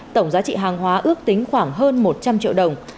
tổng giá trị hàng hóa ước tính khoảng hơn một trăm linh triệu đồng